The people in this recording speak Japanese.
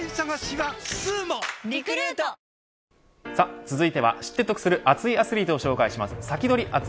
続いては知って得する熱いアスリートを紹介するサキドリ！